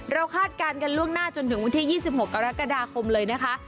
คาดการณ์กันล่วงหน้าจนถึงวันที่๒๖กรกฎาคมเลยนะคะ